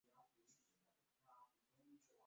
Idadi ya wanyama wanaoathiriwa katika kundi dogo zaidi